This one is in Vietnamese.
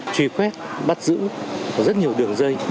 truy phép bắt giữ có rất nhiều đường dây